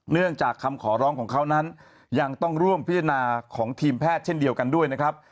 เนื่องจากคำขอร้องของเขานั้นยังต้องร่วมพิจารณาของทีมแพทย์เช่นเดียวกันด้วยนะครับ